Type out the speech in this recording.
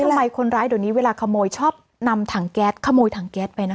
คนร้ายเดี๋ยวนี้เวลาขโมยชอบนำถังแก๊สขโมยถังแก๊สไปนะ